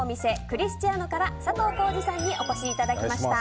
クリスチアノから佐藤幸二さんにお越しいただきました。